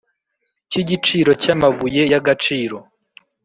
Cy igiciro cy amabuye y agaciro